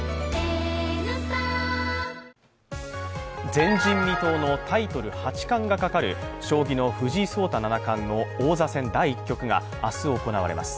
前人未到のタイトル八冠がかかる将棋の藤井聡太七冠の王座戦第１局が明日行われます。